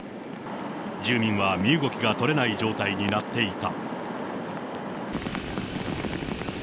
住人は身動きが取れない状態になっていた。